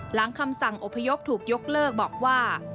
คำสั่งอพยพถูกยกเลิกบอกว่า